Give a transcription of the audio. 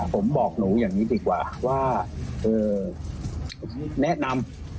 ผมบอกหนูอย่างนี้ดีกว่าว่าผมแนะนำ